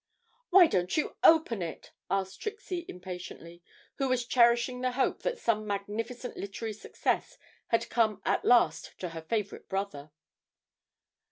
'Why don't you open it?' asked Trixie impatiently, who was cherishing the hope that some magnificent literary success had come at last to her favourite brother.